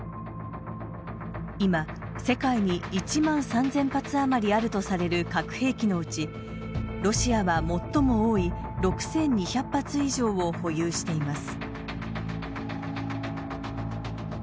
今世界に１万３，０００発あまりあるとされる核兵器のうちロシアは最も多い６，２００発以上を保有しています。